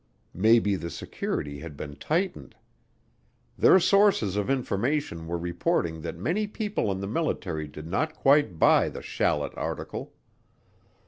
Maybe the security had been tightened. Their sources of information were reporting that many people in the military did not quite buy the Shallet article.